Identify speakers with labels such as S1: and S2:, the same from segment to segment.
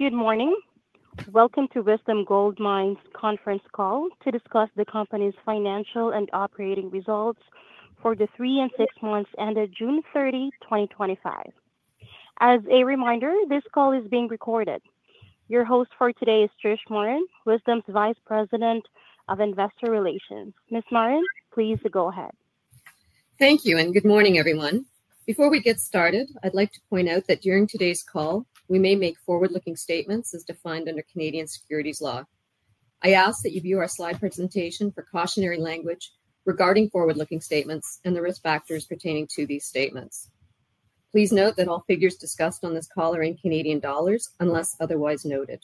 S1: Good morning. Welcome to Wesdome Gold Mines Conference Call to discuss the company's financial and operating results for the three and six months ended June 30, 2025. As a reminder, this call is being recorded. Your host for today is Trish Moran, Wesdome's Vice Presiden of Investor Relations. Ms. Moran, please go ahead.
S2: Thank you, and good morning, everyone. Before we get started, I'd like to point out that during today's call, we may make forward-looking statements as defined under Canadian securities law. I ask that you view our slide presentation for cautionary language regarding forward-looking statements and the risk factors pertaining to these statements. Please note that all figures discussed on this call are in Canadian dollars unless otherwise noted.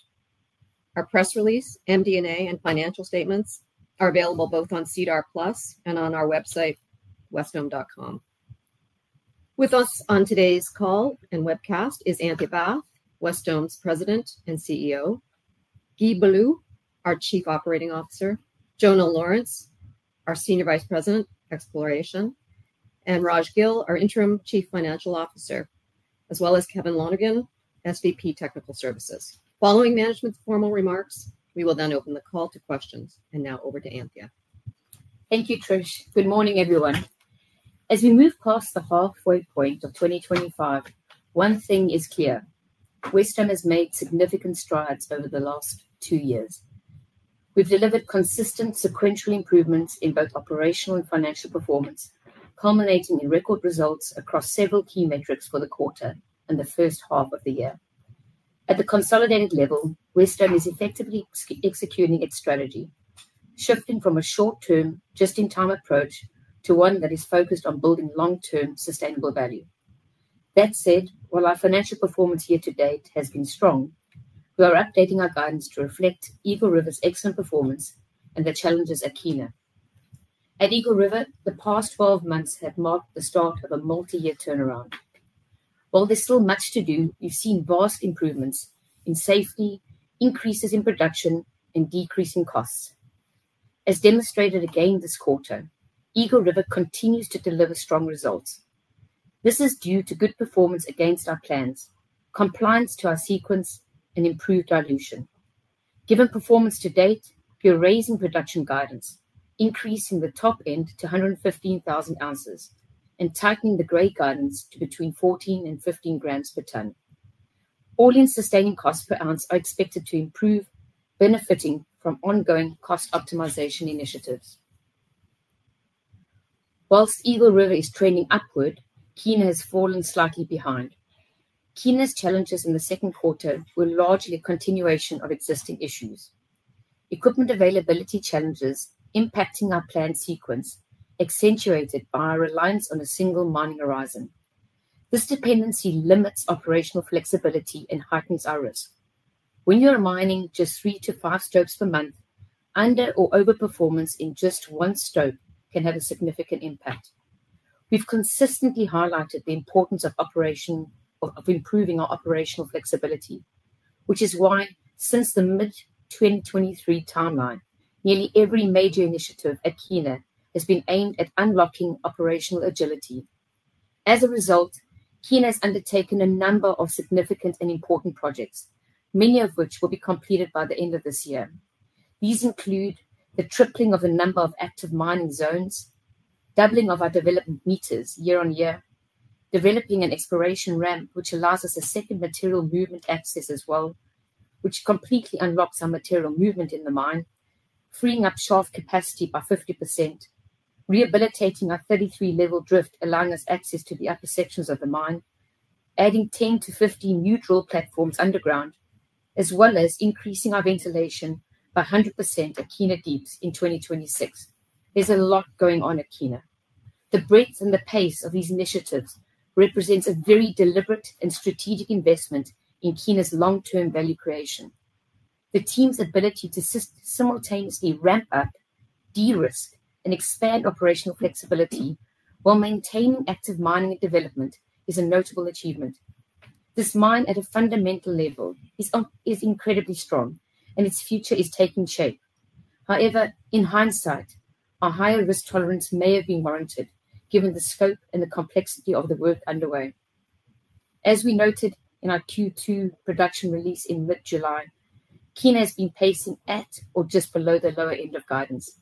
S2: Our press release, MD&A, and financial statements are available both on CDAR Plus and on our website, wesdome.com. With us on today's call and webcast is Anthea Bath, Wesdome's President and CEO, Guy Belleau, our Chief Operating Officer, Jono Lawrence, our Senior Vice President, Exploration, and Rajbir Gill, our Interim Chief Financial Officer, as well as Kevin Lonergan, SVP Technical Services. Following management's formal remarks, we will then open the call to questions, and now over to Anthea.
S3: Thank you, Trish. Good morning, everyone. As we move past the halfway point of 2025, one thing is clear: Wesdome has made significant strides over the last two years. We've delivered consistent sequential improvements in both operational and financial performance, culminating in record results across several key metrics for the quarter and the first half of the year. At the consolidated level, Wesdome is effectively executing its strategy, shifting from a short-term, just-in-time approach to one that is focused on building long-term, sustainable value. That said, while our financial performance year to date has been strong, we are updating our guidance to reflect Eagle River's excellent performance and the challenges at Kiena. At Eagle River, the past 12 months have marked the start of a multi-year turnaround. While there's still much to do, we've seen vast improvements in safety, increases in production, and decreasing costs. As demonstrated again this quarter, Eagle River continues to deliver strong results. This is due to good performance against our plans, compliance to our sequence, and improved dilution. Given performance to date, we are raising production guidance, increasing the top end to 115,000 ounces, and tightening the grade guidance to between 14 g and 15 g per ton. All-in sustaining costs per ounce are expected to improve, benefiting from ongoing cost optimization initiatives. Whilst Eagle River is trending upward, Kiena has fallen slightly behind. Kiena's challenges in the second quarter were largely a continuation of existing issues. Equipment availability challenges impacting our planned sequence, accentuated by our reliance on a single mining horizon. This dependency limits operational flexibility and heightens our risk. When you're mining just three to five stopes per month, under or overperformance in just one stope can have a significant impact. We've consistently highlighted the importance of improving our operational flexibility, which is why, since the mid-2023 timeline, nearly every major initiative at Kiena has been aimed at unlocking operational agility. As a result, Kiena has undertaken a number of significant and important projects, many of which will be completed by the end of this year. These include the tripling of the number of active mining zones, doubling of our development meters year on year, developing an exploration ramp which allows us a second material movement access as well, which completely unlocks our material movement in the mine, freeing up shaft capacity by 50%, rehabilitating our 33-level drift allowing us access to the upper sections of the mine, adding 10-15 neutral platforms underground, as well as increasing our ventilation by 100% at Kiena Deep in 2026. There's a lot going on at Kiena. The breadth and the pace of these initiatives represent a very deliberate and strategic investment in Kiena's long-term value creation. The team's ability to simultaneously ramp up, de-risk, and expand operational flexibility while maintaining active mining and development is a notable achievement. This mine, at a fundamental level, is incredibly strong, and its future is taking shape. However, in hindsight, a higher risk tolerance may have been warranted, given the scope and the complexity of the work underway. As we noted in our Q2 production release in mid-July, Kiena has been pacing at or just below the lower end of guidance.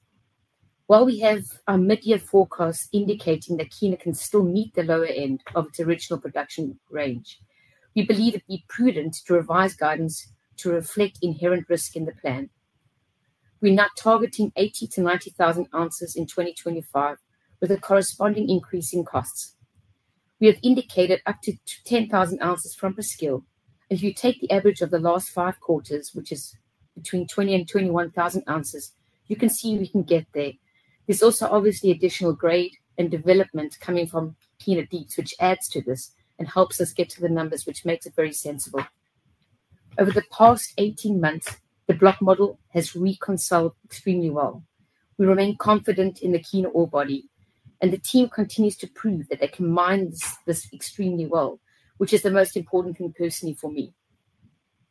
S3: While we have our mid-year forecast indicating that Kiena can still meet the lower end of its original production range, we believe it'd be prudent to revise guidance to reflect inherent risk in the plan. We're now targeting 80,000-90,000 ounces in 2025, with a corresponding increase in costs. We have indicated up to 10,000 ounces from Presqu’ile, and if you take the average of the last five quarters, which is between 20,000 and 21,000 ounces, you can see we can get there. There's also obviously additional grade and development coming from Kiena Deep, which adds to this and helps us get to the numbers, which makes it very sensible. Over the past 18 months, the block model has reconciled extremely well. We remain confident in the Kiena ore body, and the team continues to prove that they can mine this extremely well, which is the most important thing personally for me.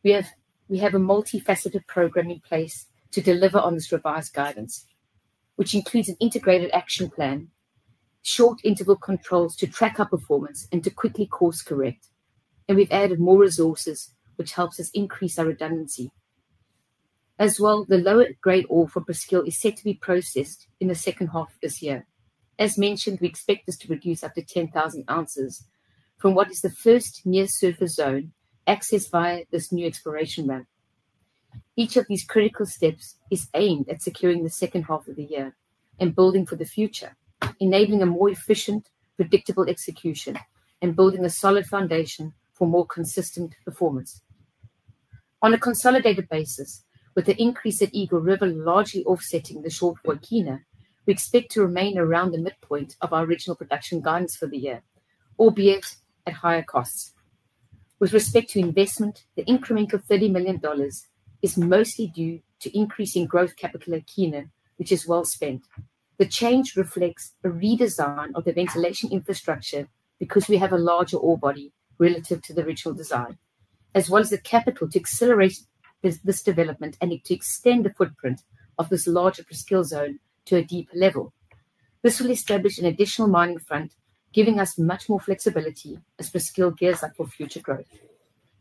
S3: We have a multifaceted program in place to deliver on this revised guidance, which includes an integrated action plan, short interval controls to track our performance and to quickly course-correct, and we've added more resources, which helps us increase our redundancy. As well, the lower grade ore from Presqu’ile is set to be processed in the second half of this year. As mentioned, we expect this to reduce up to 10,000 ounces from what is the first near-surface zone accessed via this new exploration ramp. Each of these critical steps is aimed at securing the second half of the year and building for the future, enabling a more efficient, predictable execution and building a solid foundation for more consistent performance. On a consolidated basis, with the increase at Eagle River largely offsetting the shortfall at Kiena, we expect to remain around the midpoint of our original production guidance for the year, albeit at higher costs. With respect to investment, the increment of $30 million is mostly due to increasing growth capital at Kiena, which is well spent. The change reflects a redesign of the ventilation infrastructure because we have a larger ore body relative to the original design, as well as the capital to accelerate this development and to extend the footprint of this larger Presqu’ile zone to a deep level. This will establish an additional mining front, giving us much more flexibility as Presqu’ile gears up for future growth.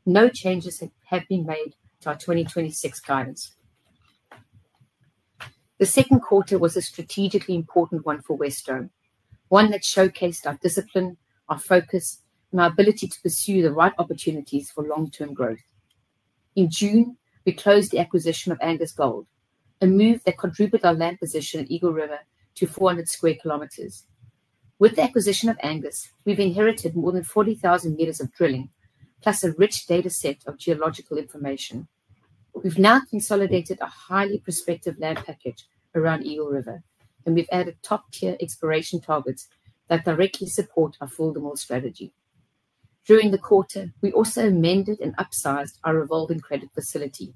S3: No changes have been made to our 2026 guidance. The second quarter was a strategically important one for Wesdome, one that showcased our discipline, our focus, and our ability to pursue the right opportunities for long-term growth. In June, we closed the acquisition of Angus Gold, a move that contributed our land position at Eagle River to 400 sq km. With the acquisition of Angus, we've inherited more than 40,000 m of drilling, plus a rich dataset of geological information. We've now consolidated a highly prospective land package around Eagle River, and we've added top-tier exploration targets that directly support our fill-the-mill strategy. During the quarter, we also amended and upsized our revolving credit facility.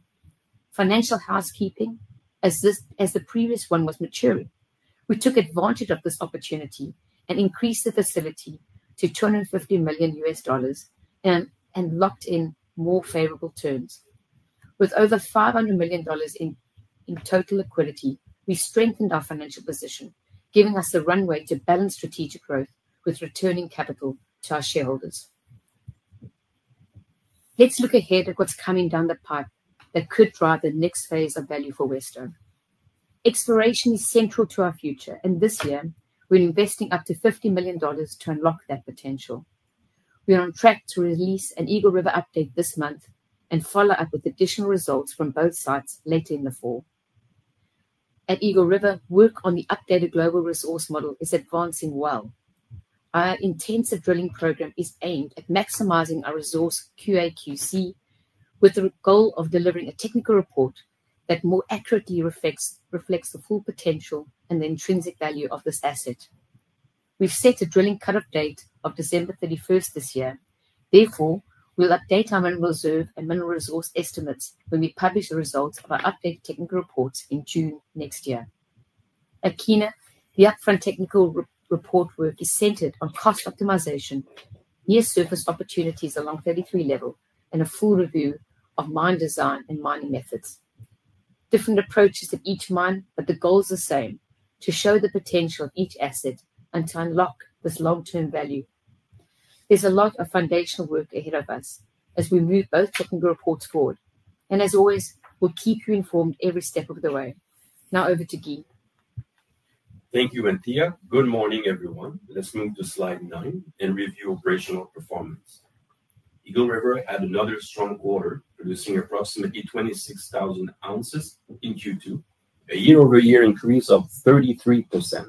S3: Financial housekeeping, as the previous one was maturing, we took advantage of this opportunity and increased the facility to $250 million U.S. dollars and locked in more favorable terms. With over $500 million in total liquidity, we strengthened our financial position, giving us the runway to balance strategic growth with returning capital to our shareholders. Let's look ahead at what's coming down the pipe that could drive the next phase of value for Wesdome. Exploration is central to our future, and this year, we're investing up to $50 million to unlock that potential. We are on track to release an Eagle River update this month and follow up with additional results from both sites later in the fall. At Eagle River, work on the updated global resource model is advancing well. Our intensive drilling program is aimed at maximizing our resource QA/QC, with the goal of delivering a technical report that more accurately reflects the full potential and the intrinsic value of this asset. We've set a drilling cut-off date of December 31st this year. Therefore, we'll update our mineral reserve and mineral resource estimates when we publish the results of our updated technical reports in June next year. At Kiena, the upfront technical report work is centered on cost optimization, near-surface opportunities along 33 level, and a full review of mine design and mining methods. Different approaches at each mine, but the goal's the same: to show the potential of each asset and to unlock this long-term value. There is a lot of foundational work ahead of us as we move both technical reports forward. We will keep you informed every step of the way. Now over to Guy.
S4: Thank you, Anthea. Good morning, everyone. Listening to slide nine and review operational performance. Eagle River had another strong quarter, producing approximately 26,000 ounces in Q2, a year-over-year increase of 33%.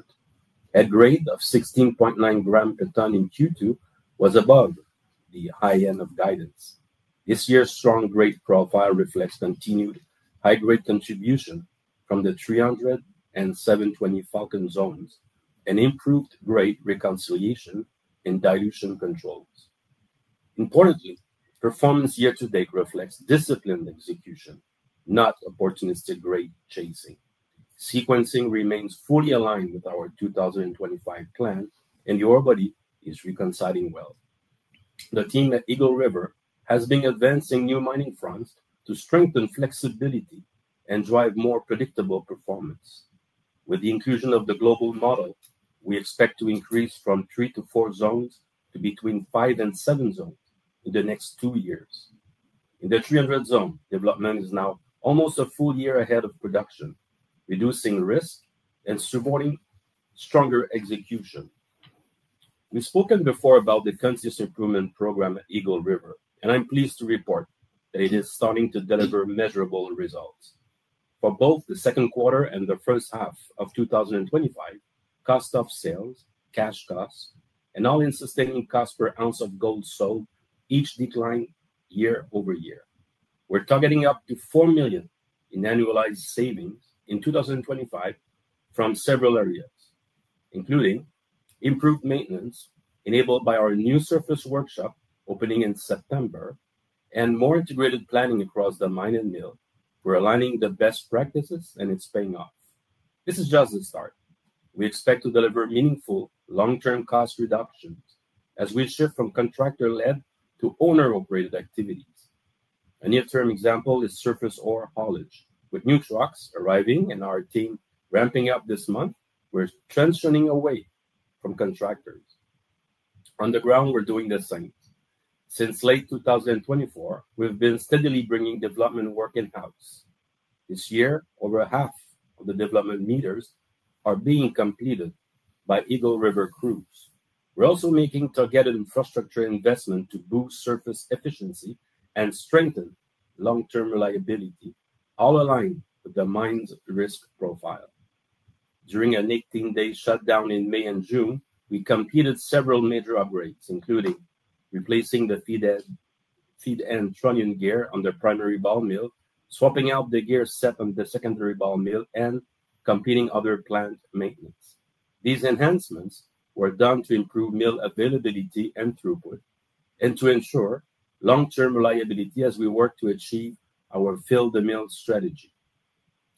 S4: A grade of 16.9 g per ton in Q2 was above the high end of guidance. This year's strong grade profile reflects continued high-grade contribution from the 300 and 720 Falcon zones and improved grade reconciliation in dilution controls. Importantly, performance year to date reflects disciplined execution, not opportunistic grade chasing. Sequencing remains fully aligned with our 2025 plan, and the ore body is reconciling well. The team at Eagle River has been advancing new mining fronts to strengthen flexibility and drive more predictable performance. With the inclusion of the global model, we expect to increase from three to four zones to between five and seven zones in the next two years. In the 300 zone, development is now almost a full year ahead of production, reducing risk and supporting stronger execution. We've spoken before about the conscious improvement program at Eagle River, and I'm pleased to report that it is starting to deliver measurable results. For both the second quarter and the first half of 2025, cost of sales, cash costs, and all-in sustaining costs per ounce of gold sold each decline year-over-year. We're targeting up to $4 million in annualized savings in 2025 from several areas, including improved maintenance enabled by our new surface workshop opening in September and more integrated planning across the mine and mill. We're aligning the best practices, and it's paying off. This is just the start. We expect to deliver meaningful long-term cost reductions as we shift from contractor-led to owner-operated activities. A near-term example is surface ore haulage, with new trucks arriving and our team ramping up this month. We're transitioning away from contractors. On the ground, we're doing the same. Since late 2024, we've been steadily bringing development work in-house. This year, over half of the development meters are being completed by Eagle River crews. We're also making targeted infrastructure investment to boost surface efficiency and strengthen long-term reliability, all aligned with the mine's risk profile. During an 18-day shutdown in May and June, we completed several major upgrades, including replacing the feed and trunnion gear on the primary ball mill, swapping out the gear set on the secondary ball mill, and completing other plant maintenance. These enhancements were done to improve mill availability and throughput and to ensure long-term reliability as we work to achieve our fill-the-mill strategy.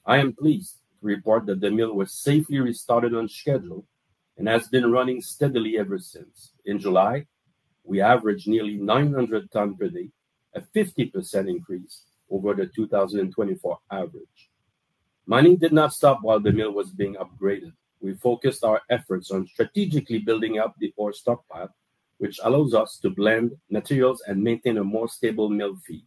S4: I am pleased to report that the mill was safely restarted on schedule and has been running steadily ever since. In July, we averaged nearly 900 tons per day, a 50% increase over the 2024 average. Mining did not stop while the mill was being upgraded. We focused our efforts on strategically building up the ore stockpile, which allows us to blend materials and maintain a more stable mill feed.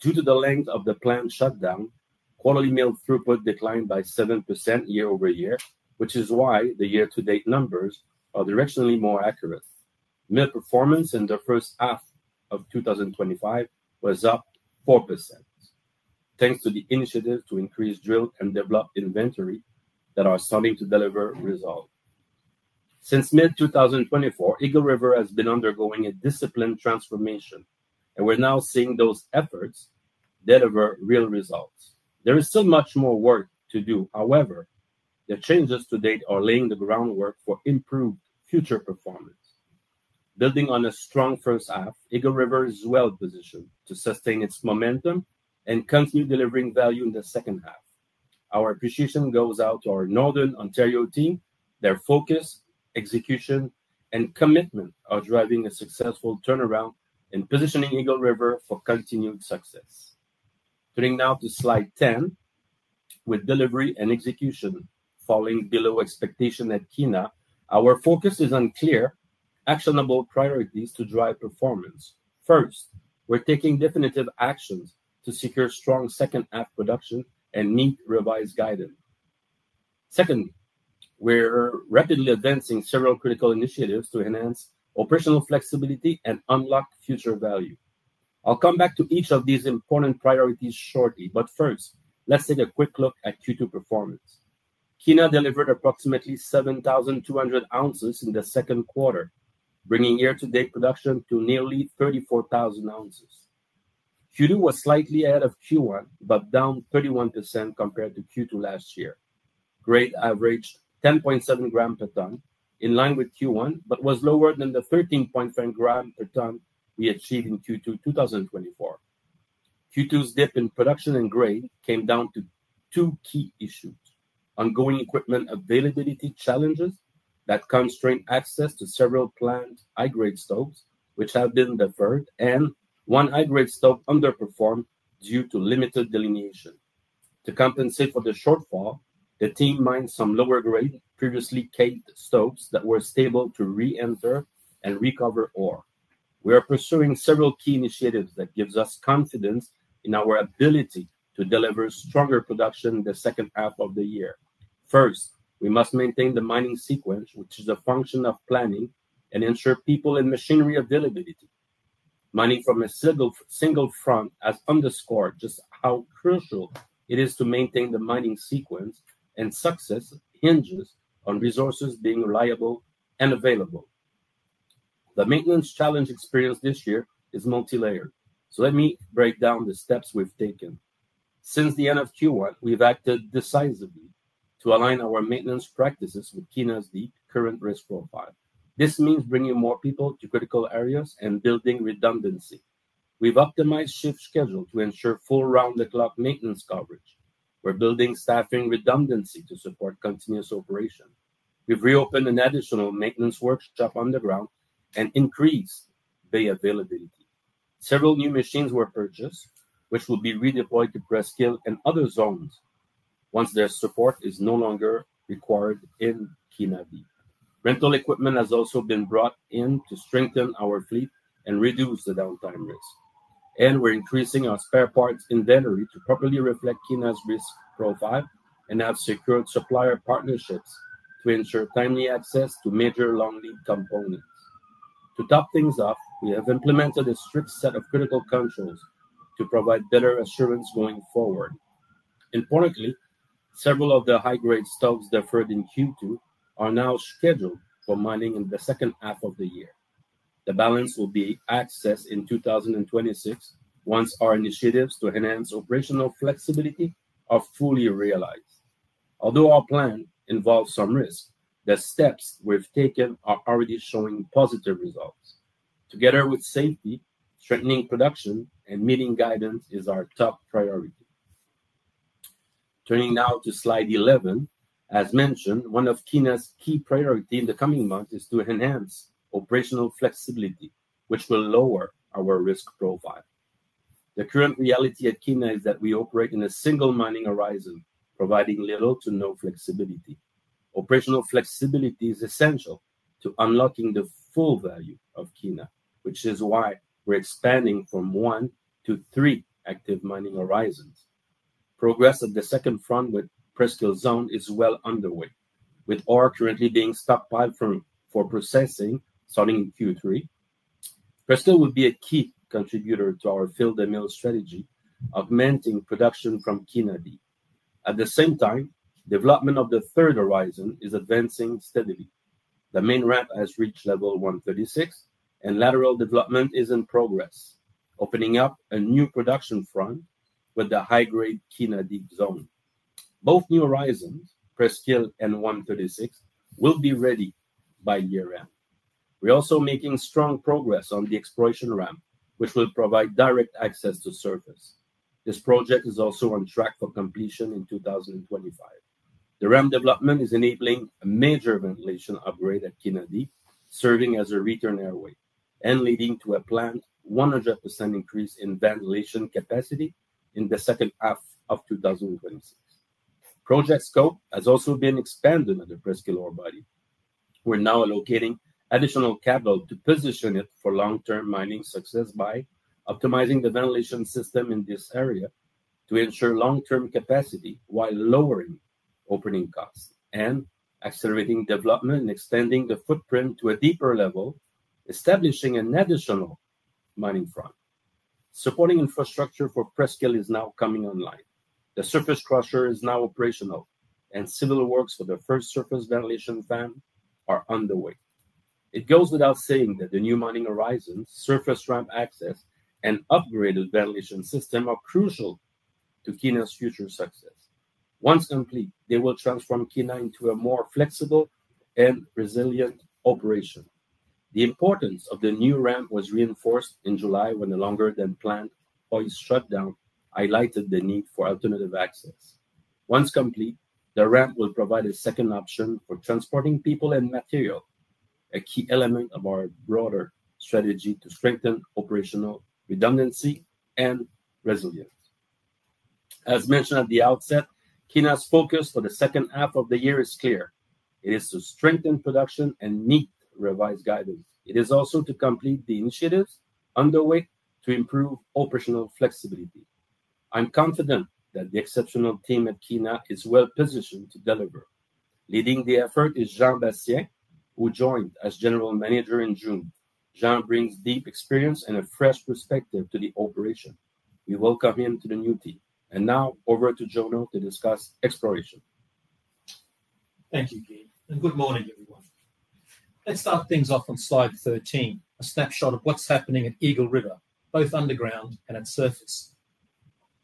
S4: Due to the length of the plant shutdown, quarterly mill throughput declined by 7% year-over-year, which is why the year-to-date numbers are directionally more accurate. Mill performance in the first half of 2025 was up 4%, thanks to the initiative to increase drill and develop inventory that are starting to deliver results. Since mid-2024, Eagle River has been undergoing a disciplined transformation, and we're now seeing those efforts deliver real results. There is still much more work to do. However, the changes to date are laying the groundwork for improved future performance. Building on a strong first half, Eagle River is well positioned to sustain its momentum and continue delivering value in the second half. Our appreciation goes out to our Northern Ontario team. Their focus, execution, and commitment are driving a successful turnaround in positioning Eagle River for continued success. Turning now to slide ten, with delivery and execution falling below expectation at Kiena, our focus is on clear, actionable priorities to drive performance. First, we're taking definitive actions to secure strong second-half production and meet revised guidance. Second, we're rapidly advancing several critical initiatives to enhance operational flexibility and unlock future value. I'll come back to each of these important priorities shortly, but first, let's take a quick look at Q2 performance. Kiena delivered approximately 7,200 ounces in the second quarter, bringing year-to-date production to nearly 34,000 ounces. Q2 was slightly ahead of Q1, but down 31% compared to Q2 last year. Grade averaged 10.7 g per ton, in line with Q1, but was lower than the 13.5 g per ton we achieved in Q2 2024. Q2's dip in production and grade came down to two key issues: ongoing equipment availability challenges that constrained access to several planned high-grade stopes, which have been deferred, and one high-grade stope underperformed due to limited delineation. To compensate for the shortfall, the team mined some lower grade, previously caked stopes that were stable to re-enter and recover ore. We are pursuing several key initiatives that give us confidence in our ability to deliver stronger production in the second half of the year. First, we must maintain the mining sequence, which is a function of planning and ensuring people and machinery availability. Mining from a single front has underscored just how crucial it is to maintain the mining sequence, and success hinges on resources being reliable and available. The maintenance challenge experienced this year is multilayered, so let me break down the steps we've taken. Since the end of Q1, we've acted decisively to align our maintenance practices with Kiena's current risk profile. This means bringing more people to critical areas and building redundancy. We've optimized shift schedules to ensure full round-the-clock maintenance coverage. We're building staffing redundancy to support continuous operation. We've reopened an additional maintenance workshop underground and increased bay availability. Several new machines were purchased, which will be redeployed to Presqu’ile and other zones once their support is no longer required in Kiena Deep. Rental equipment has also been brought in to strengthen our fleet and reduce the downtime risk. We're increasing our spare parts inventory to properly reflect Kiena's risk profile and have secured supplier partnerships to ensure timely access to major long-lead components. To top things off, we have implemented a strict set of critical controls to provide better assurance going forward. Importantly, several of the high-grade stopes deferred in Q2 are now scheduled for mining in the second half of the year. The balance will be accessed in 2026 once our initiatives to enhance operational flexibility are fully realized. Although our plan involves some risk, the steps we've taken are already showing positive results. Together with safety, strengthening production and meeting guidance is our top priority. Turning now to slide 11, as mentioned, one of Kiena's key priorities in the coming months is to enhance operational flexibility, which will lower our risk profile. The current reality at Kiena is that we operate in a single mining horizon, providing little to no flexibility. Operational flexibility is essential to unlocking the full value of Kiena, which is why we're expanding from one to three active mining horizons. Progress at the second front with Presqu’ile zone is well underway, with ore currently being stockpiled for processing starting in Q3. Presqu’ile will be a key contributor to our fill-the-mill strategy, augmenting production from Kiena Deep. At the same time, development of the third horizon is advancing steadily. The main ramp has reached level 136, and lateral development is in progress, opening up a new production front with the high-grade Kiena Deep zone. Both new horizons, Presqu’ile and 136, will be ready by year-end. We're also making strong progress on the exploration ramp, which will provide direct access to surface. This project is also on track for completion in 2025. The ramp development is enabling a major ventilation upgrade at Kiena Deep, serving as a return airway and leading to a planned 100% increase in ventilation capacity in the second half of 2026. Project scope has also been expanded under Presqu’ile ore body. We're now allocating additional capital to position it for long-term mining success by optimizing the ventilation system in this area to ensure long-term capacity while lowering opening costs and accelerating development and extending the footprint to a deeper level, establishing an additional mining front. Supporting infrastructure for Presqu’ile is now coming online. The surface crusher is now operational, and civil works for the first surface ventilation fan are underway. It goes without saying that the new mining horizons, surface ramp access, and upgraded ventilation system are crucial to Kiena's future success. Once complete, they will transform Kiena into a more flexible and resilient operation. The importance of the new ramp was reinforced in July when the longer-than-planned mill shutdown highlighted the need for alternative access. Once complete, the ramp will provide a second option for transporting people and material, a key element of our broader strategy to strengthen operational redundancy and resilience. As mentioned at the outset, Kiena's focus for the second half of the year is clear. It is to strengthen production and meet revised guidance. It is also to complete the initiatives underway to improve operational flexibility. I'm confident that the exceptional team at Kiena is well positioned to deliver. Leading the effort is Jean Bastien, who joined as General Manager in June. Jean brings deep experience and a fresh perspective to the operation. We welcome him to the new team. Now over to Jono to discuss exploration.
S5: Thank you, Guy, and good morning, everyone. Let's start things off on slide 13, a snapshot of what's happening at Eagle River, both underground and at surface.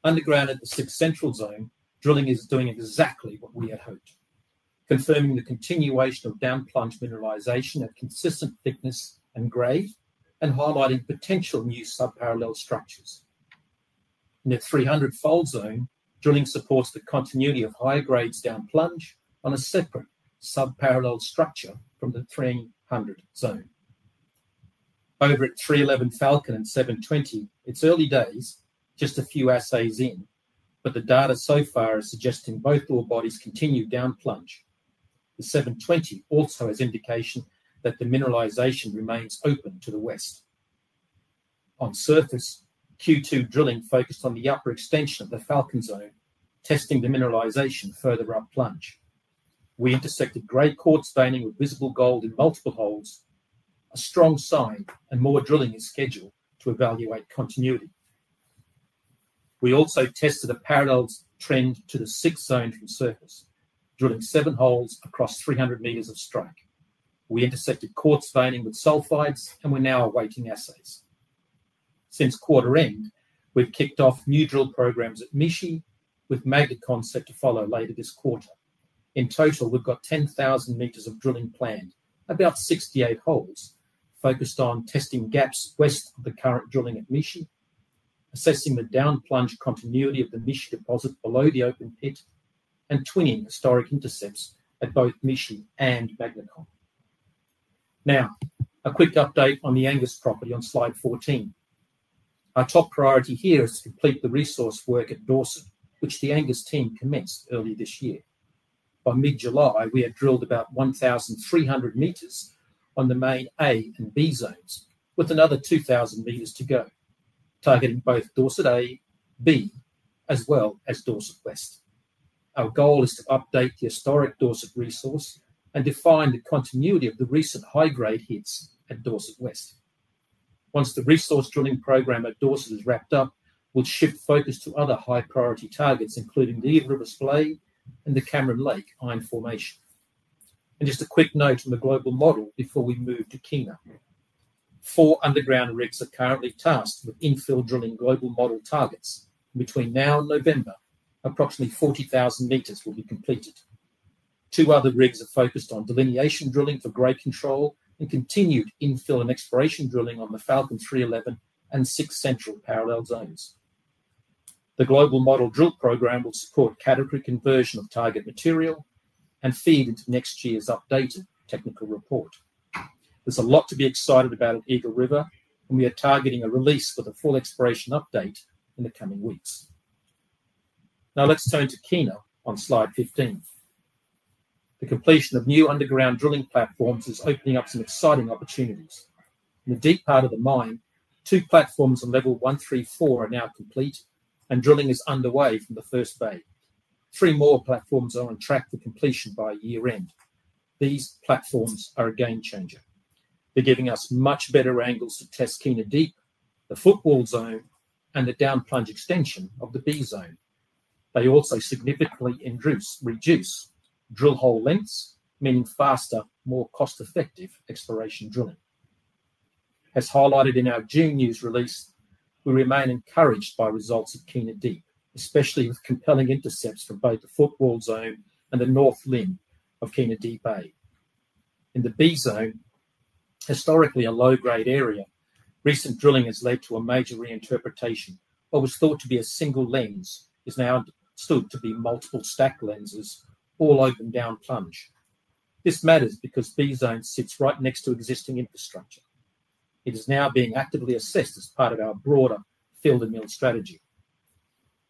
S5: Underground at the 6 Central Zone, drilling is doing exactly what we had hoped, confirming the continuation of downplunge mineralization at consistent thickness and grade, and highlighting potential new subparallel structures. In the 300 Fold Zone, drilling supports the continuity of higher grades downplunge on a separate subparallel structure from the 300 Zone. Over at 311 Falcon and 720, it's early days, just a few assays in, but the data so far is suggesting both ore bodies continue downplunge. The 720 also has indication that the mineralization remains open to the west. On surface, Q2 drilling focused on the upper extension of the Falcon Zone, testing the mineralization further upplunge. We intersected great quartz staining with visible gold in multiple holes, a strong sign, and more drilling is scheduled to evaluate continuity. We also tested a parallel trend to the 6 Zone from surface, drilling seven holes across 300 m of strike. We intersected quartz staining with sulfides, and we're now awaiting assays. Since quarter end, we've kicked off new drill programs at Mishi, with Magna Concept to follow later this quarter. In total, we've got 10,000 meters of drilling planned, about 68 holes, focused on testing gaps west of the current drilling at Mishi, assessing the downplunge continuity of the Mishi deposit below the open pit, and twinning historic intercepts at both Mishi and Magna Dome. Now, a quick update on the Angus property on slide 14. Our top priority here is to complete the resource work at Dawson, which the Angus team commenced earlier this year. By mid-July, we had drilled about 1,300 m on the main A and B zones, with another 2,000 m to go, targeting both Dawson A, B, as well as Dawson West. Our goal is to update the historic Dawson resource and define the continuity of the recent high-grade hits at Dawson West. Once the resource drilling program at Dawson is wrapped up, we'll shift focus to other high-priority targets, including the Eagle River's flow and the Cameron Lake Iron Formation. A quick note on the global model before we move to Kiena. Four underground rigs are currently tasked with infill drilling global model targets. Between now and November, approximately 40,000 m will be completed. Two other rigs are focused on delineation drilling for grade control and continued infill and exploration drilling on the Falcon 311 and six central parallel zones. The global model drill program will support category conversion of target material and feed into next year's updated technical report. There's a lot to be excited about at Eagle River, and we are targeting a release for the full exploration update in the coming weeks. Now let's turn to Kiena on slide 15. The completion of new underground drilling platforms is opening up some exciting opportunities. In the deep part of the mine, two platforms on level 134 are now complete, and drilling is underway from the first phase. Three more platforms are on track for completion by year-end. These platforms are a game changer. They're giving us much better angles to test Kiena Deep, the footwall zone, and the downplunge extension of the B zone. They also significantly reduce drill hole lengths, meaning faster, more cost-effective exploration drilling. As highlighted in our June news release, we remain encouraged by results at Kiena Deep, especially with compelling intercepts from both the footwall zone and the north limb of Kiena Deep A. In the B zone, historically a low-grade area, recent drilling has led to a major reinterpretation. What was thought to be a single lens is now thought to be multiple stacked lenses, all open downplunge. This matters because B zone sits right next to existing infrastructure. It is now being actively assessed as part of our broader fill-the-mill strategy.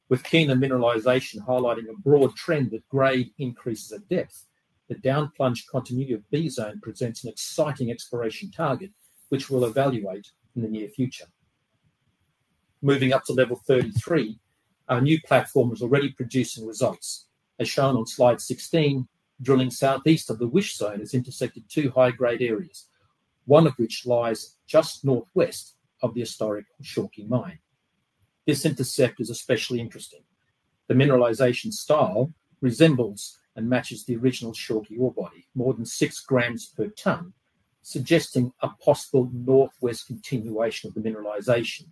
S5: With Kiena mineralization highlighting a broad trend at grade increases at depth, the downplunge continuity of B zone presents an exciting exploration target, which we'll evaluate in the near future. Moving up to level 33, our new platform is already producing results. As shown on slide 16, drilling southeast of the Wish zone has intersected two high-grade areas, one of which lies just northwest of the historic Shawkey Mine. This intercept is especially interesting. The mineralization style resembles and matches the original Shawkey ore body, more than 6 g per ton, suggesting a possible northwest continuation of the mineralization.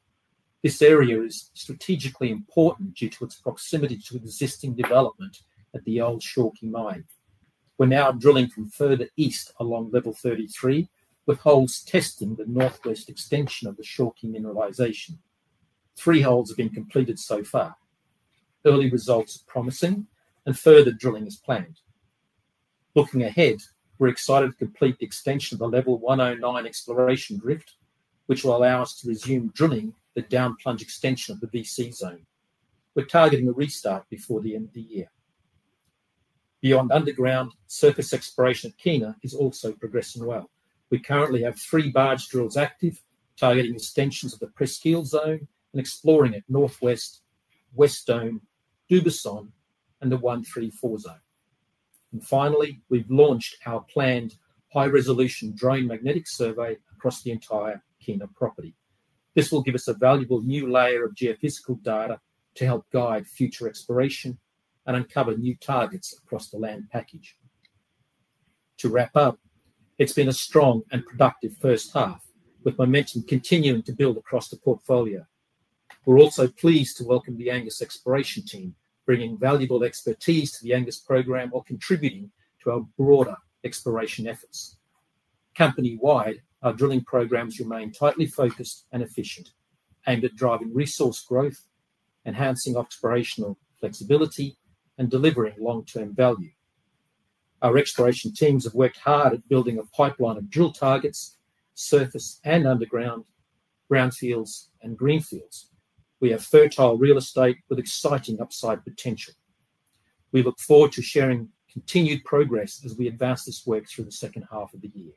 S5: This area is strategically important due to its proximity to existing development at the old Shawkey Mine. We're now drilling from further east along level 33, with holes testing the northwest extension of the Shawkey mineralization. Three holes have been completed so far. Early results are promising, and further drilling is planned. Looking ahead, we're excited to complete the extension of the level 109 exploration drift, which will allow us to resume drilling the downplunge extension of the BC zone. We're targeting a restart before the end of the year. Beyond underground, surface exploration at Kiena is also progressing well. We currently have three barge drills active, targeting extensions of the Presqu’ile zone and exploring at Northwest, West Dome, Dugazon, and the 134 zone. Finally, we've launched our planned high-resolution drone magnetic survey across the entire Kiena property. This will give us a valuable new layer of geophysical data to help guide future exploration and uncover new targets across the land package. To wrap up, it's been a strong and productive first half, with momentum continuing to build across the portfolio. We're also pleased to welcome the Angus exploration team, bringing valuable expertise to the Angus program and contributing to our broader exploration efforts. Company-wide, our drilling programs remain tightly focused and efficient, aimed at driving resource growth, enhancing exploration flexibility, and delivering long-term value. Our exploration teams have worked hard at building a pipeline of drill targets, surface and underground, brownfields, and greenfields. We have fertile real estate with exciting upside potential. We look forward to sharing continued progress as we advance this work through the second half of the year.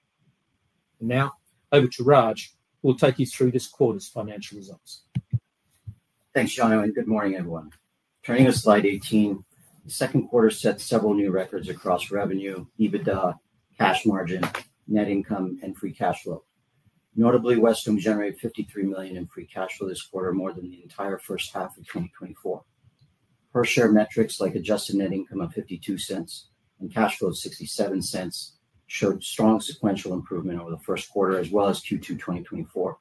S5: Now, over to Raj, who will take you through this quarter's financial results.
S6: Thanks, Jono, and good morning, everyone. Turning to slide 18, the second quarter set several new records across revenue, EBITDA, cash margin, net income, and free cash flow. Notably, Wesdome, generated $53 million in free cash flow this quarter, more than the entire first half of 2024. Per share metrics, like adjusted net income of $0.52 and cash flow of $0.67, showed strong sequential improvement over the first quarter, as well as Q2 2024.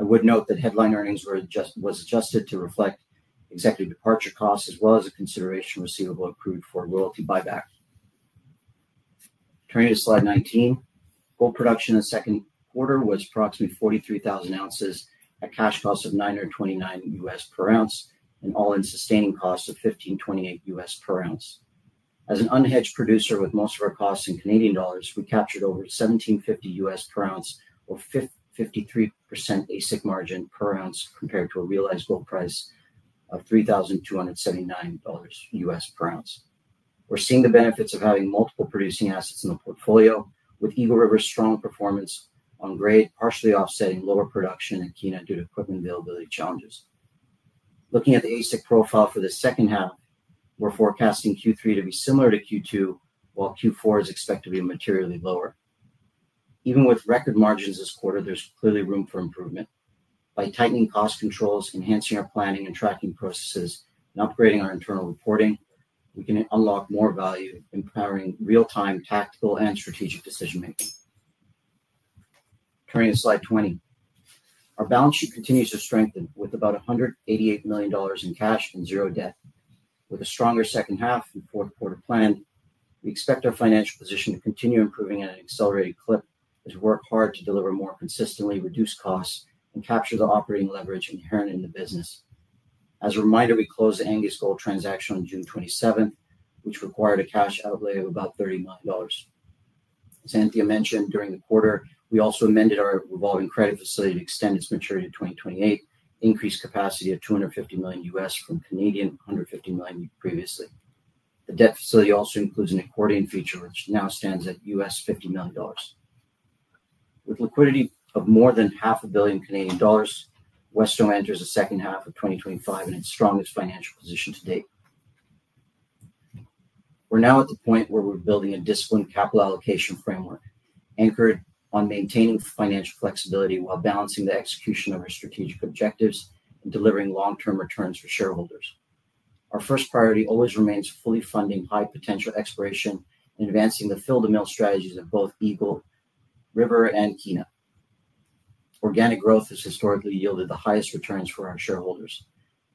S6: I would note that headline earnings were adjusted to reflect executive departure costs, as well as a consideration of receivable accrued for loyalty buybacks. Turning to slide 19, full production in the second quarter was approximately 43,000 ounces, at a cash cost of $929 per ounce, and all-in sustaining costs of $1,528 per ounce. As an unhedged producer with most of our costs in Canadian dollars, we captured over $1,750 per ounce, or 53% ASIC margin per ounce compared to a realized book price of $3,279 per ounce. We're seeing the benefits of having multiple producing assets in the portfolio, with Eagle River's strong performance on grade partially offsetting lower production at Kiena due to equipment availability challenges. Looking at the ASIC profile for the second half, we're forecasting Q3 to be similar to Q2, while Q4 is expected to be materially lower. Even with record margins this quarter, there's clearly room for improvement. By tightening cost controls, enhancing our planning and tracking processes, and upgrading our internal reporting, we can unlock more value, empowering real-time tactical and strategic decision-making. Turning to slide 20, our balance sheet continues to strengthen with about $188 million in cash and zero debt. With a stronger second half and fourth quarter planned, we expect our financial position to continue improving at an accelerated clip as we work hard to deliver more consistently reduced costs and capture the operating leverage inherent in the business. As a reminder, we closed the Angus acquisition on June 27th, which required a cash outlay of about $30 million. As Anthea mentioned, during the quarter, we also amended our revolving credit facility to extend its maturity to 2028, increased capacity to $250 million from $150 million previously. The debt facility also includes an accordion feature, which now stands at $50 million. With liquidity of more than CAD $500 million, Wesdome enters the second half of 2025 in its strongest financial position to date. We're now at the point where we're building a disciplined capital allocation framework, anchored on maintaining financial flexibility while balancing the execution of our strategic objectives and delivering long-term returns for shareholders. Our first priority always remains fully funding high-potential exploration and advancing the fill-the-mill strategies of both Eagle River and Kiena. Organic growth has historically yielded the highest returns for our shareholders.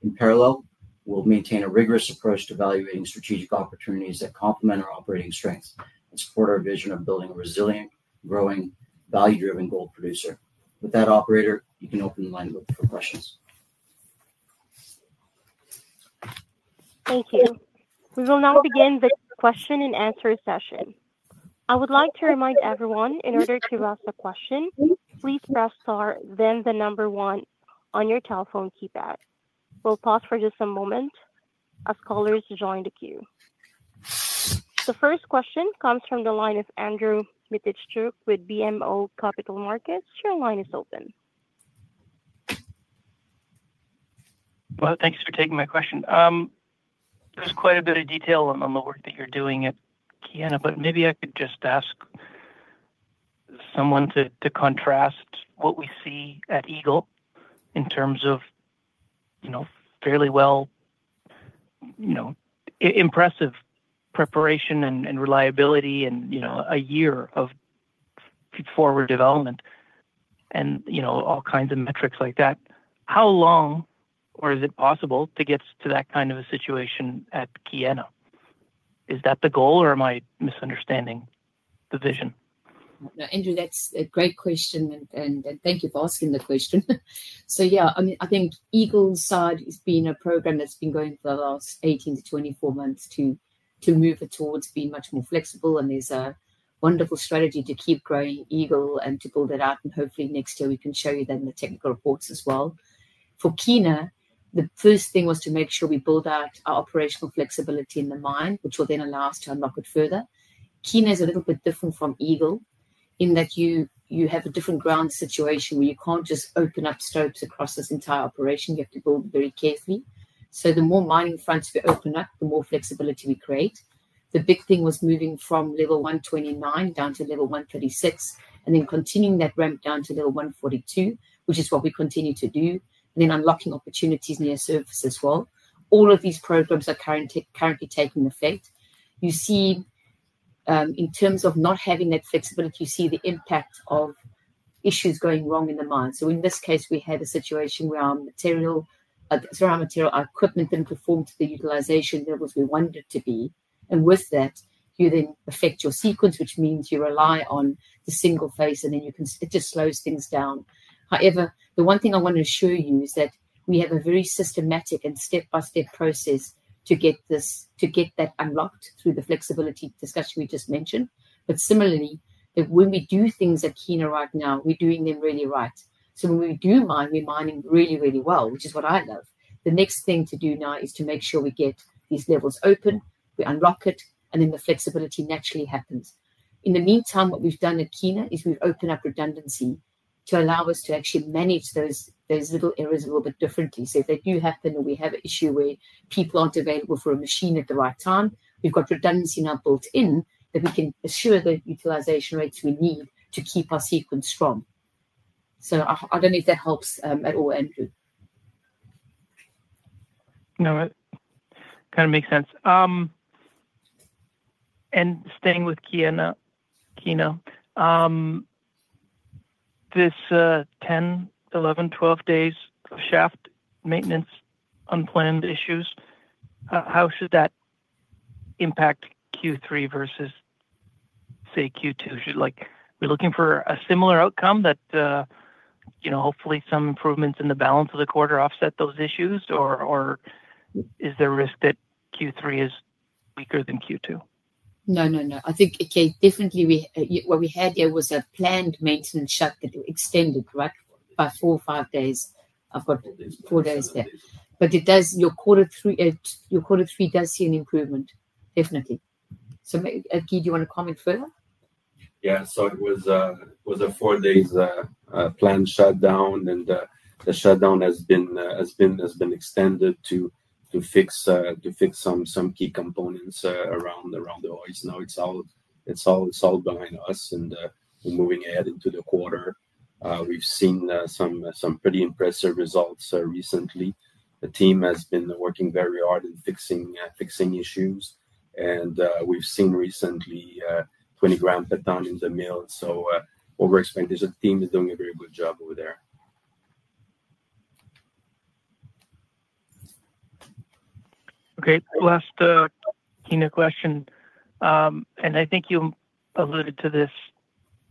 S6: In parallel, we'll maintain a rigorous approach to evaluating strategic opportunities that complement our operating strengths and support our vision of building a resilient, growing, value-driven gold producer. With that, operator, you can open the line to look for questions.
S1: Thank you. We will now begin the question and answer session. I would like to remind everyone, in order to ask a question, please press star, then the number one on your telephone keypad. We'll pause for just a moment as callers join the queue. The first question comes from the line of Andrew Mikitchook with BMO Capital Markets. Your line is open.
S7: Thanks for taking my question. There's quite a bit of detail on the work that you're doing at Kiena, but maybe I could just ask someone to contrast what we see at Eagle in terms of, you know, fairly well, you know, impressive preparation and reliability and, you know, a year of forward development and, you know, all kinds of metrics like that. How long, or is it possible to get to that kind of a situation at Kiena? Is that the goal, or am I misunderstanding the vision?
S3: Now, Andrew, that's a great question, and thank you for asking the question. Yeah, I mean, I think Eagle's side has been a program that's been going for the last 18-24 months to move it towards being much more flexible, and it's a wonderful strategy to keep growing Eagle and to build it out. Hopefully next year we can show you then the technical reports as well. For Kiena, the first thing was to make sure we build out our operational flexibility in the mine, which will then allow us to unlock it further. Kiena is a little bit different from Eagle in that you have a different ground situation where you can't just open up stopes across this entire operation. You have to build very carefully. The more mining fronts we open up, the more flexibility we create. The big thing was moving from level 129 down to level 136 and then continuing that ramp down to level 142, which is what we continue to do, and then unlocking opportunities near surface as well. All of these programs are currently taking effect. You see, in terms of not having that flexibility, you see the impact of issues going wrong in the mine. In this case, we had a situation where our equipment didn't perform to the utilization levels we wanted it to be. With that, you then affect your sequence, which means you rely on the single phase, and it just slows things down. However, the one thing I want to assure you is that we have a very systematic and step-by-step process to get that unlocked through the flexibility discussion we just mentioned. Similarly, when we do things at Kiena right now, we're doing them really right. When we do mine, we're mining really, really well, which is what I love. The next thing to do now is to make sure we get these levels open, we unlock it, and then the flexibility naturally happens. In the meantime, what we've done at Kiena is we've opened up redundancy to allow us to actually manage those little errors a little bit differently. If they do happen or we have an issue where people aren't available for a machine at the right time, we've got redundancy now built in that we can assure the utilization rates we need to keep our sequence strong. I don't know if that helps at all, Andrew.
S7: No, it kind of makes sense. Staying with Kiena, this 10 days, 11 days, 12 days of shaft maintenance, unplanned issues, how should that impact Q3 versus, say, Q2? Should we be looking for a similar outcome that, you know, hopefully some improvements in the balance of the quarter offset those issues, or is there a risk that Q3 is weaker than Q2?
S3: I think, okay, definitely what we had there was a planned maintenance shift that extended, right, by four or five days. I've got four days there. It does, your quarter three, your quarter three does see an improvement, definitely. Guy, do you want to comment further?
S4: Yeah, so it was a four-day planned shutdown, and the shutdown has been extended to fix some key components around the oil. Now it's all behind us, and we're moving ahead into the quarter. We've seen some pretty impressive results recently. The team has been working very hard in fixing issues, and we've seen recently 20 g per ton in the mill. Over expectations, the team is doing a very good job over there.
S7: Okay, last Kiena question, and I think you alluded to this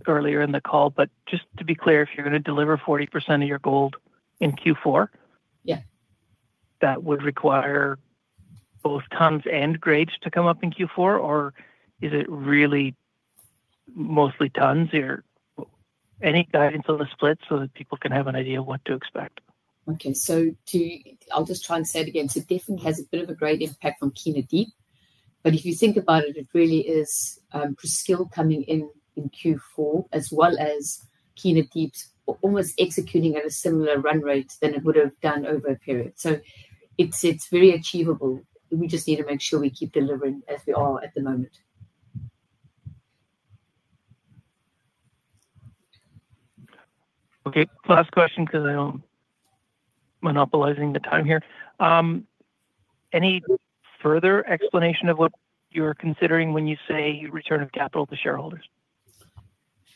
S7: earlier in the call, but just to be clear, if you're going to deliver 40% of your gold in Q4, that would require both tons and grades to come up in Q4, or is it really mostly tons? Any guidance on the split so that people can have an idea of what to expect?
S3: I'll just try and say it again. It definitely has a bit of a grade impact from Kiena Deep, but if you think about it, it really is Presqu’ile coming in in Q4, as well as Kiena Deep's almost executing at a similar run rate than it would have done over a period. It's very achievable. We just need to make sure we keep delivering as we are at the moment.
S7: Okay, last question because I'm monopolizing the time here. Any further explanation of what you're considering when you say return of capital to shareholders?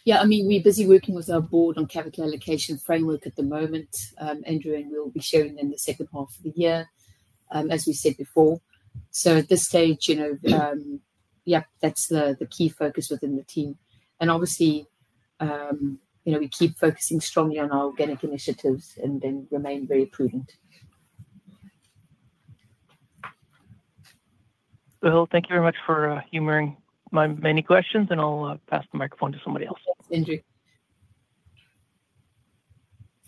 S3: Yeah, I mean, we're busy working with our board on capital allocation framework at the moment, Andrew, and we'll be sharing them in the second half of the year, as we said before. At this stage, you know, yep, that's the key focus within the team. Obviously, you know, we keep focusing strongly on our organic initiatives and then remain very prudent.
S7: Thank you very much for humoring my many questions, and I'll pass the microphone to somebody else.
S3: Andrew.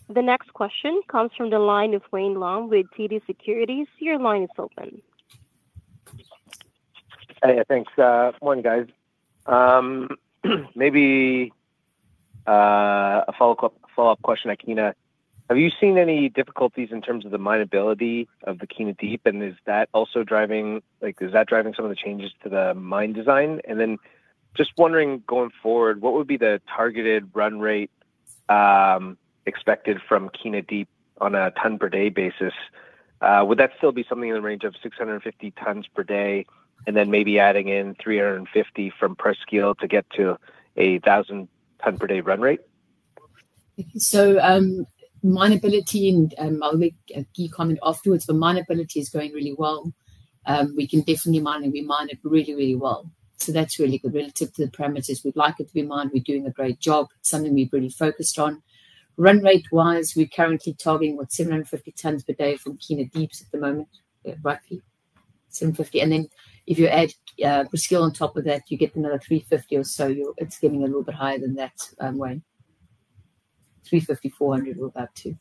S2: The next question comes from the line of Wayne Lam with TD Securities. Your line is open.
S8: Hey, thanks. Morning, guys. Maybe a follow-up question at Kiena. Have you seen any difficulties in terms of the minability of the Kiena Deep, and is that also driving, like, is that driving some of the changes to the mine design? Just wondering, going forward, what would be the targeted run rate expected from Kiena Deep on a ton-per-day basis? Would that still be something in the range of 650 tons per day, and then maybe adding in 350 from Presqu’ile to get to a 1,000 ton-per-day run rate?
S3: Minability, and I'll make a key comment afterwards, but minability is going really well. We can definitely mine, and we mine it really, really well. That's really good relative to the parameters we'd like it to be mined. We're doing a great job. It's something we've really focused on. Run rate-wise, we're currently targeting, what, 750 tons per day from Kiena Deep at the moment, right? 750 tons. If you add Presqu’ile on top of that, you get another 350 tons or so. It's getting a little bit higher than that, Wayne. 350 tons, 400 tons, we're about to.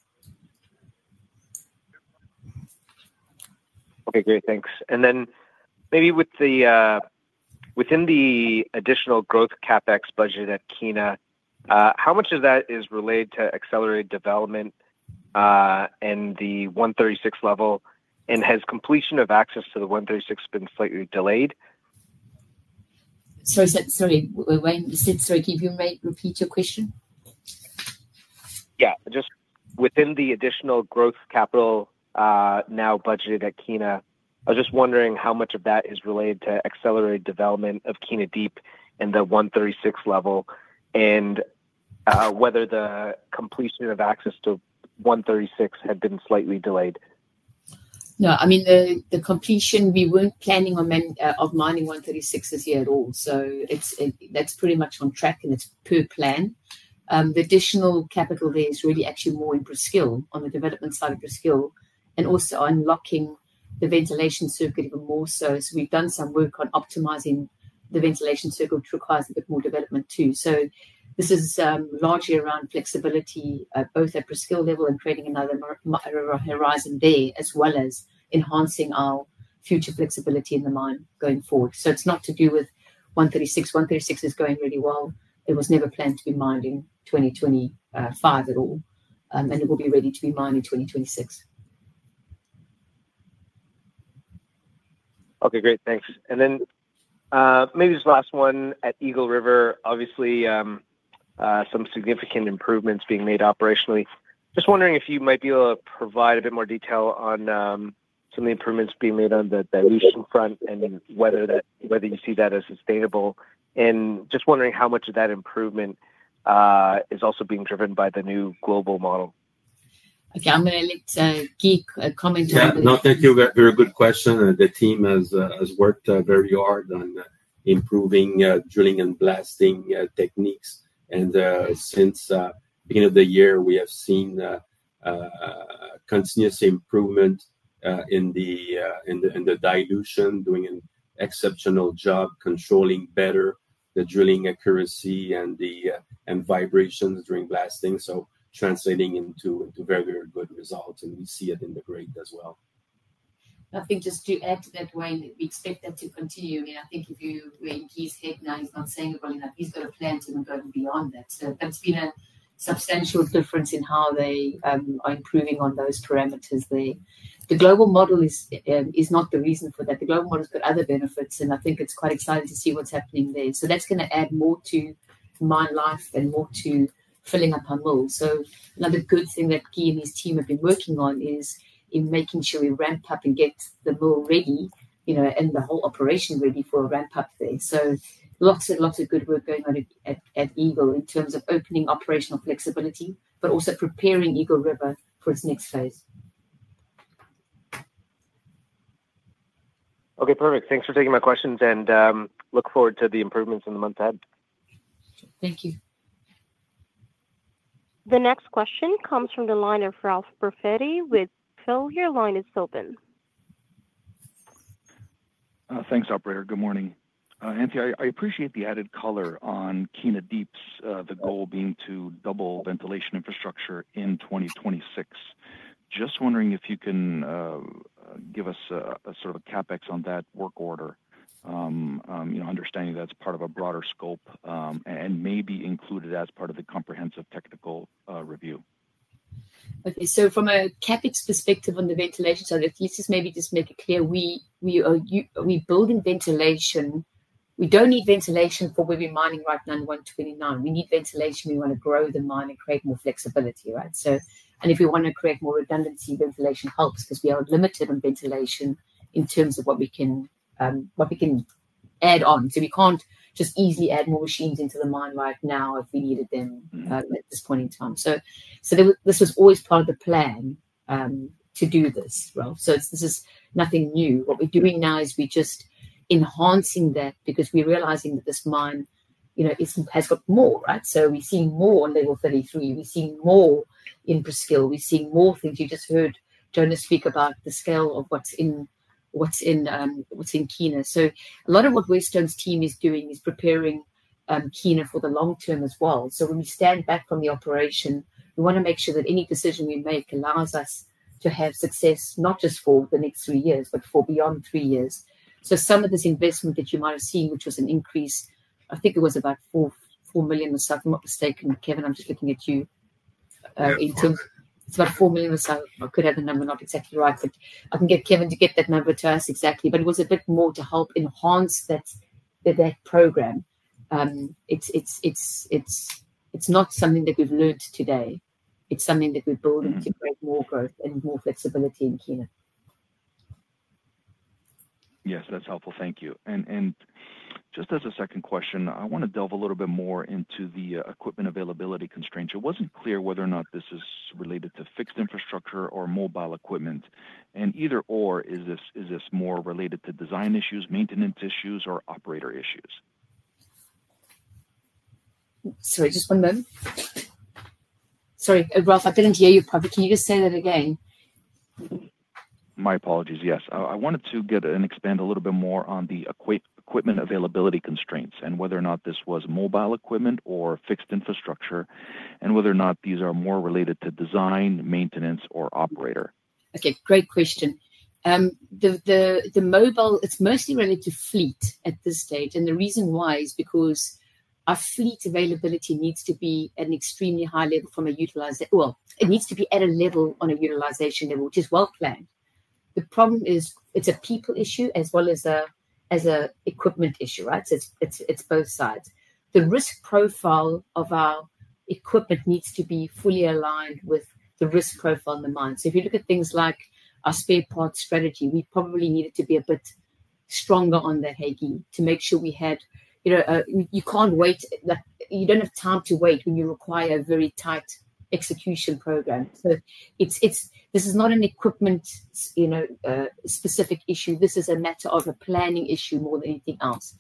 S8: Okay, great, thanks. Maybe with the additional growth CapEx budget at Kiena, how much of that is related to accelerated development and the 136 level, and has completion of access to the 136 been slightly delayed?
S3: Sorry, Wayne, can you repeat your question?
S8: Yeah, just within the additional growth capital now budgeted at Kiena, I was just wondering how much of that is related to accelerated development of Kiena Deep and the 136 level, and whether the completion of access to 136 had been slightly delayed.
S3: No, I mean, the completion, we weren't planning on mining 136 this year at all. That's pretty much on track, and it's per plan. The additional capital there is really actually more in Presqu’ile on the development side of Presqu’ile, and also unlocking the ventilation circuit even more. We've done some work on optimizing the ventilation circuit, which requires a bit more development too. This is largely around flexibility both at the Presqu’ile level and creating another horizon there, as well as enhancing our future flexibility in the mine going forward. It's not to do with 136. 136 is going really well. It was never planned to be mined in 2025 at all, and it will be ready to be mined in 2026.
S8: Okay, great, thanks. Maybe just last one at Eagle River. Obviously, some significant improvements being made operationally. Just wondering if you might be able to provide a bit more detail on some of the improvements being made on the dilution front and whether you see that as sustainable. Just wondering how much of that improvement is also being driven by the new global model.
S3: Okay, I'm going to let Guy comment.
S4: No, thank you. Very good question. The team has worked very hard on improving drilling and blasting techniques. Since the beginning of the year, we have seen continuous improvement in the dilution, doing an exceptional job controlling better the drilling accuracy and the vibrations during blasting, translating into very, very good results, and we see it in the grade as well.
S3: I think just to add to that, Wayne, we expect that to continue. I mean, I think if you were in Guy's headlines, not saying we're going to, at least we're planning to go beyond that. There's been a substantial difference in how they are improving on those parameters. The global model is not the reason for that. The global model has got other benefits, and I think it's quite exciting to see what's happening there. That's going to add more to mine life and more to filling up our mill. Another good thing that Guy and his team have been working on is making sure we ramp up and get the mill ready, you know, and the whole operation ready for a ramp-up phase. Lots and lots of good work going on at Eagle River in terms of opening operational flexibility, but also preparing Eagle River for its next phase.
S8: Okay, perfect. Thanks for taking my questions, and look forward to the improvements in the month ahead.
S3: Thank you.
S1: The next question comes from the line of Ralph Profiti with Stifel. Your line is open.
S9: Thanks, operator. Good morning. Anthea, I appreciate the added color on Kiena Deep, the goal being to double ventilation infrastructure in 2026. Just wondering if you can give us a sort of a CapEx on that work order, you know, understanding that's part of a broader scope and may be included as part of the comprehensive technical review.
S3: Okay, so from a CapEx perspective on the ventilation side, the thesis may be just make it clear. We are building ventilation. We don't need ventilation for where we're mining right now in 129. We need ventilation. We want to grow the mine and create more flexibility, right? If we want to create more redundancy, ventilation helps because we are limited on ventilation in terms of what we can add on. We can't just easily add more machines into the mine right now if we needed them at this point in time. This was always part of the plan to do this, Ralph. This is nothing new. What we're doing now is we're just enhancing that because we're realizing that this mine, you know, has got more, right? We're seeing more on level 33. We're seeing more in Presqu’ile. We're seeing more things. You just heard Jono speak about the scale of what's in Kiena. A lot of what Wesdome's team is doing is preparing Kiena for the long term as well. When we stand back from the operation, we want to make sure that any decision we make allows us to have success not just for the next three years, but for beyond three years. Some of this investment that you might have seen, which was an increase, I think it was about $4 million or so, if I'm not mistaken. Kevin, I'm just looking at you, Anthea. It's about $4 million or so. I could have the number not exactly right, but I can get Kevin to get that number to us exactly. It was a bit more to help enhance that program. It's not something that we've learned today. It's something that we're building to build more growth and more flexibility in Kiena.
S9: Yes, that's helpful. Thank you. Just as a second question, I want to delve a little bit more into the equipment availability constraints. It wasn't clear whether or not this is related to fixed infrastructure or mobile equipment. Either/or, is this more related to design issues, maintenance issues, or operator issues?
S3: Sorry, just one moment. Sorry, Ralph, I didn't hear you properly. Can you just say that again?
S9: My apologies, yes. I wanted to get and expand a little bit more on the equipment availability constraints and whether or not this was mobile equipment or fixed infrastructure, and whether or not these are more related to design, maintenance, or operator.
S3: Okay, great question. The mobile, it's mostly related to fleet at this stage. The reason why is because our fleet availability needs to be at an extremely high level from a utilization, well, it needs to be at a level on a utilization level, which is well planned. The problem is it's a people issue as well as an equipment issue, right? It's both sides. The risk profile of our equipment needs to be fully aligned with the risk profile in the mine. If you look at things like our spare parts strategy, we probably need it to be a bit stronger on the HAGI to make sure we had, you know, you can't wait, you don't have time to wait when you require a very tight execution program. This is not an equipment, you know, specific issue. This is a matter of a planning issue more than anything else.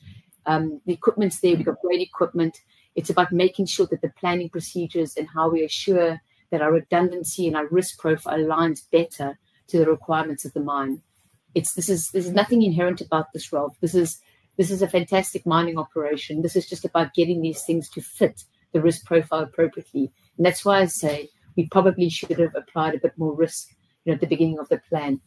S3: The equipment's there. We've got great equipment. It's about making sure that the planning procedures and how we assure that our redundancy and our risk profile aligns better to the requirements of the mine. There is nothing inherent about this, Ralph. This is a fantastic mining operation. This is just about getting these things to fit the risk profile appropriately. That's why I say we probably should have applied a bit more risk, you know, at the beginning of the plan.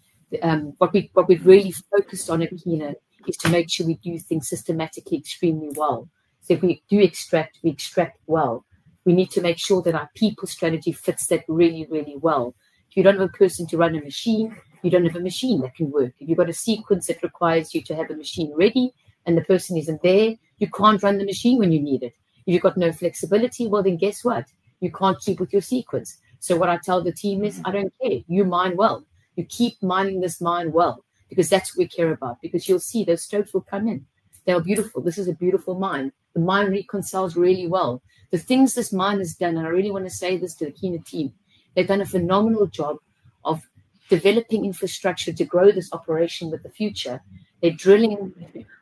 S3: What we've really focused on at Kiena is to make sure we do things systematically extremely well. If we do extract, we extract well. We need to make sure that our people strategy fits that really, really well. If you don't have a person to run a machine, you don't have a machine that can work. If you've got a sequence that requires you to have a machine ready and the person isn't there, you can't run the machine when you need it. If you've got no flexibility, then guess what? You can't keep with your sequence. What I tell the team is, I don't care. You mine well. You keep mining this mine well because that's what we care about. You'll see those strokes will come in. They're beautiful. This is a beautiful mine. The mine reconciles really well. The things this mine has done, and I really want to say this to the Kiena team, they've done a phenomenal job of developing infrastructure to grow this operation with the future. They're drilling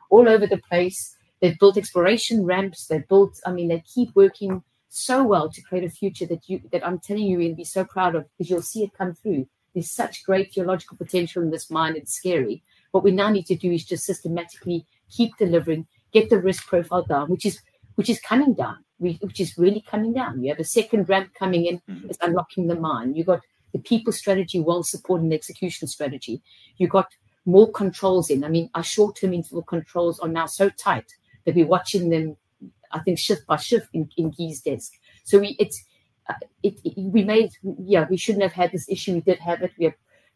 S3: all over the place. They've built exploration ramps. I mean, they keep working so well to create a future that I'm telling you we'll be so proud of because you'll see it come through. There's such great geological potential in this mine. It's scary. What we now need to do is just systematically keep delivering, get the risk profile down, which is coming down, which is really coming down. We have a second ramp coming in. It's unlocking the mine. You've got the people strategy well supported in the execution strategy. You've got more controls in. I mean, our short-term interval controls are now so tight that we're watching them, I think, shift by shift in Guy's desk. It remains, yeah, we shouldn't have had this issue. We did have it.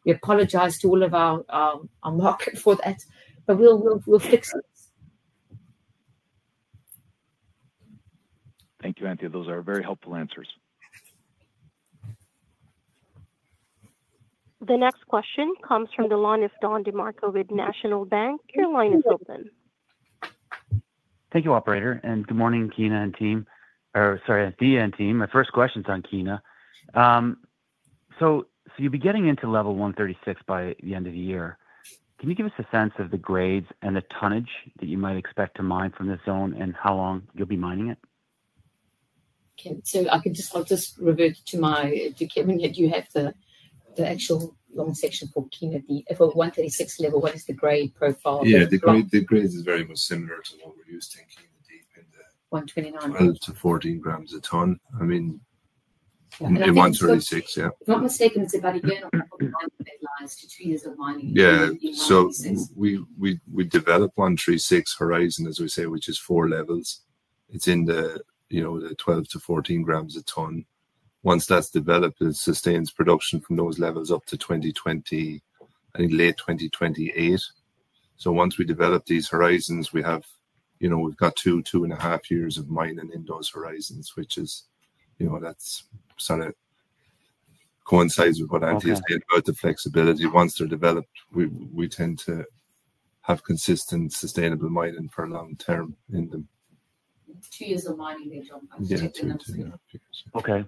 S3: We apologize to all of our market for that, but we'll fix this.
S9: Thank you, Anthea. Those are very helpful answers.
S1: The next question comes from the line of Don DeMarco with National Bank. Your line is open.
S10: Thank you, operator, and good morning, Anthea and team. My first question's on Kiena. You'll be getting into level 136 by the end of the year. Can you give us a sense of the grades and the tonnage that you might expect to mine from this zone and how long you'll be mining it?
S3: Okay, I can just revert to my document here. Do you have the actual long section for Kiena Deep? For 136 level, what is the grade profile?
S11: Yeah, the grade is very much similar to what we were thinking deep in the.
S3: 129.
S4: To 14 g a ton. I mean, I'm up in 13.6 g a ton, yeah.
S3: If I'm not mistaken, it's about a year to two years of mining.
S11: Yeah, we develop 136 horizon, as we say, which is four levels. It's in the 12 g-14 g ton. Once that's developed, it sustains production from those levels up to 2028, I think late 2028. Once we develop these horizons, we've got two, two and a half years of mining in those horizons, which coincides with what Anthea said about the flexibility. Once they're developed, we tend to have consistent, sustainable mining for a long term in them.
S3: Two years of mining in a job.
S4: Yeah, yeah.
S10: Okay,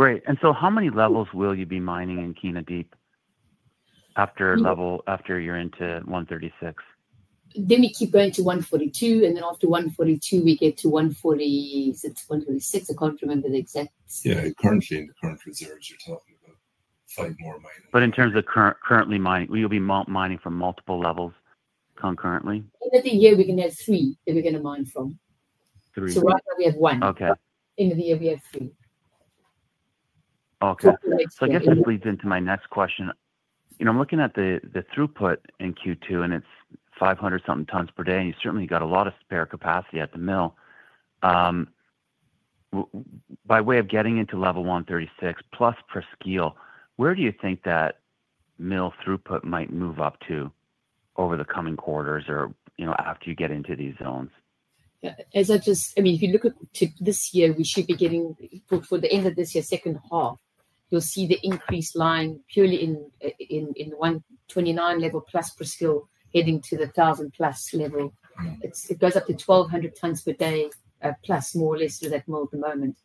S10: great. How many levels will you be mining in Kiena Deep after you're into 136?
S3: We keep going to 142, and after 142, we get to 146, 146. I can't remember the exact.
S11: Yeah, currently in the current reserves, you're talking about five more mines.
S10: In terms of currently mining, will you be mining from multiple levels concurrently?
S3: End of the year, we're going to have three that we're going to mine from.
S11: Three.
S3: Right now we have one.
S11: Okay.
S3: End of the year, we have three.
S10: Okay, I guess this leads into my next question. I'm looking at the throughput in Q2, and it's 500-something tons per day, and you certainly got a lot of spare capacity at the mill. By way of getting into level 136+ Presqu’ile, where do you think that mill throughput might move up to over the coming quarters or after you get into these zones?
S3: Yeah, as I just, I mean, if you look at this year, we should be getting, for the end of this year, second half, you'll see the increase line purely in the 129 level plus Presqu’ile heading to the 1,000+ level. It goes up to 1,200 tons per day plus more or less through that mill at the moment.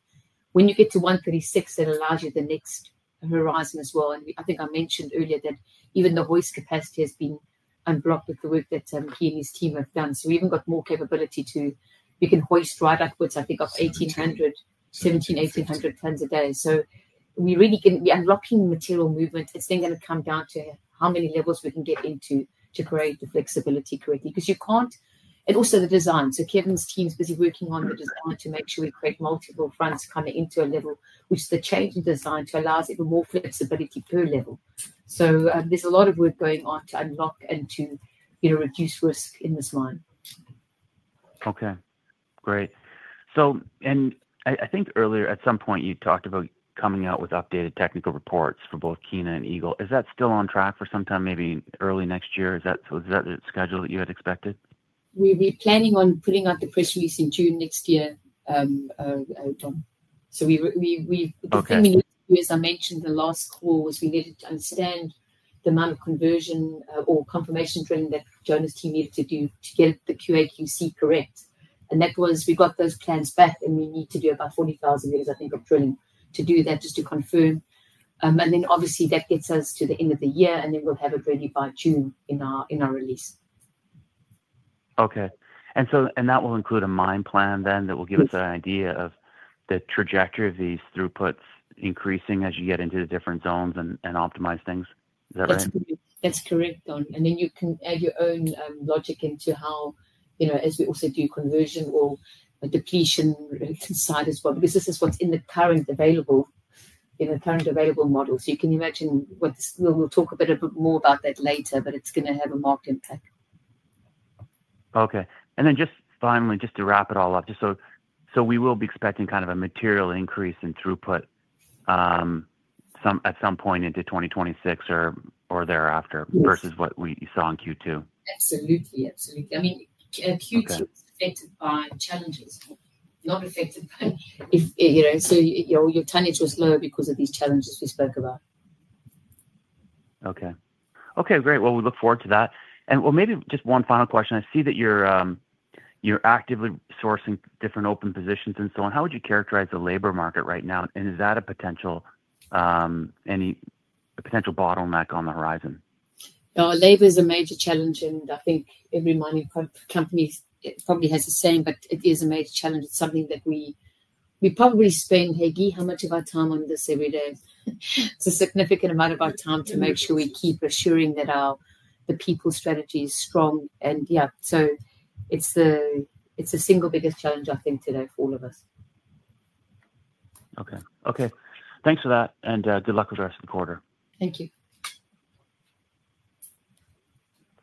S3: When you get to 136, that allows you the next horizon as well. I think I mentioned earlier that even the hoist capacity has been unblocked with the work that he and his team have done. We've even got more capability to, we can hoist right upwards, I think, of 1,800, 1,700, 1,800 tons a day. We really can, we're unlocking material movement. It's then going to come down to how many levels we can get into to create the flexibility correctly because you can't, and also the design. Kevin's team's busy working on the design to make sure we create multiple furnaces coming into a level, which is the change in design to allow us even more flexibility per level. There's a lot of work going on to unlock and to, you know, reduce risk in this mine.
S10: Great. I think earlier at some point you talked about coming out with updated technical reports for both Kiena and Eagle. Is that still on track for sometime maybe early next year? Is that the schedule that you had expected?
S3: We're planning on putting out the press release in June next year. We've been working with, as I mentioned, the last quarter was we needed to understand the amount of conversion or confirmation for that Jonas team needed to do to get the QA/QC correct. That was, we got those plans back and we need to do about 40,000 units, I think, of drilling to do that just to confirm. Obviously, that gets us to the end of the year and then we'll have it ready by June in our release.
S10: Okay, that will include a mine plan that will give us an idea of the trajectory of these throughputs increasing as you get into the different zones and optimize things. Is that right?
S3: That's correct, Don. You can add your own logic into how, you know, as we also do conversion or depletion side as well, because this is what's in the current available, you know, current available model. You can imagine what this is. We'll talk a bit more about that later, but it's going to have a marked impact.
S10: Okay, just finally, just to wrap it all up, we will be expecting kind of a material increase in throughput at some point into 2026 or thereafter versus what we saw in Q2?
S3: Absolutely, absolutely. Q2 was affected by challenges, not affected by, if you know, so your tonnage was low because of these challenges we spoke about.
S10: Great. We look forward to that. Maybe just one final question. I see that you're actively sourcing different open positions and so on. How would you characterize the labor market right now? Is that a potential, any potential bottleneck on the horizon?
S3: Labor is a major challenge, and I think every mining company probably has the same, but it is a major challenge. It's something that we probably spend, hey, Guy, how much of our time on this every day? It's a significant amount of our time to make sure we keep assuring that our people strategy is strong. Yeah, it's the single biggest challenge, I think, today for all of us.
S10: Okay, thanks for that. Good luck with the rest of the quarter.
S3: Thank you.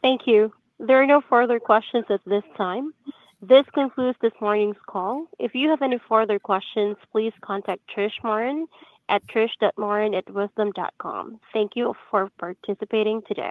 S1: Thank you. There are no further questions at this time. This concludes this morning's call. If you have any further questions, please contact Trish Moran at trish.moran@wesdome.com. Thank you for participating today.